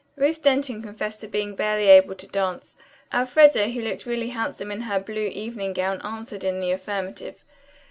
Ruth Denton confessed to being barely able to dance. Elfreda, who looked really handsome in her blue evening gown, answered in the affirmative.